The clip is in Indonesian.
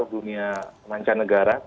bagi dunia mancanegara